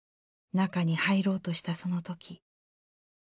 中に入ろうとしたその時。